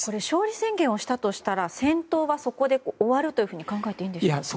勝利宣言をしたとしたら戦闘は終わるというふうに考えていいんでしょうか？